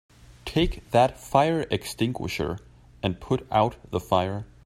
Take that fire extinguisher and put out the fire!